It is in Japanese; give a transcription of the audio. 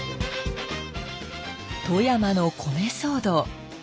富山の米騒動。